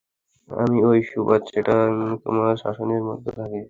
আমি ঐ সুবাস যেটা তোমার শ্বাসের মধ্যে থাকে।